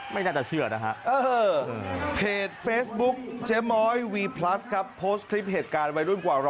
ไม่เอาแล้วไม่เอาแล้ว